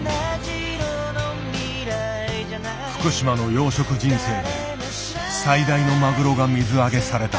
福島の養殖人生で最大のマグロが水揚げされた。